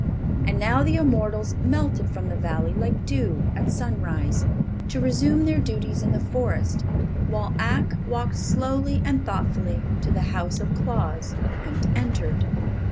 And now the immortals melted from the Valley like dew at sunrise, to resume their duties in the Forest, while Ak walked slowly and thoughtfully to the house of Claus and entered.